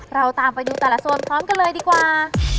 เราตามไปดูแต่ละโซนพร้อมกันเลยดีกว่า